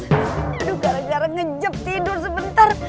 aduh gara gara ngejep tidur sebentar